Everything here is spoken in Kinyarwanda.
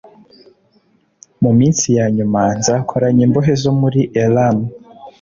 mu minsi ya nyuma nzakoranya imbohe zo muri elamu.